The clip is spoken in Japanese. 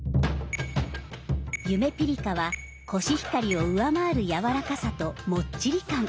ゆめぴりかはコシヒカリを上回るやわらかさともっちり感。